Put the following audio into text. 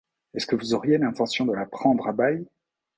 Est-ce que vous auriez l’intention de la prendre à bail?